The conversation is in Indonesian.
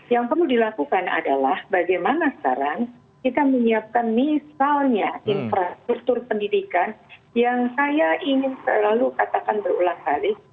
yang perlu dilakukan adalah bagaimana sekarang kita menyiapkan misalnya infrastruktur pendidikan yang saya ingin selalu katakan berulang kali